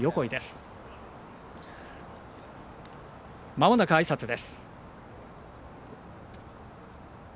まもなくあいさつです。